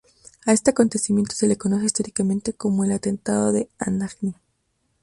A este acontecimiento se le conoce históricamente como el atentado de Anagni.